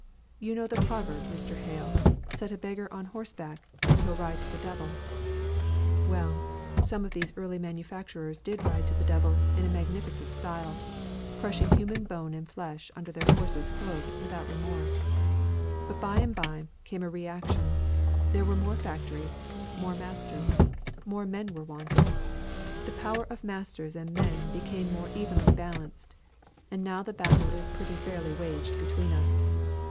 You know the proverb, Mr. Hale, 'Set a beggar on horseback, and he'll ride to the devil,' well, some of these early manufacturers did ride to the devil in a magnificent style crushing human bone and flesh under their horses' hoofs without remorse. But by and by came a reaction; there were more factories, more masters; more men were wanted. The power of masters and men became more evenly balanced; and now the battle is pretty fairly waged between us.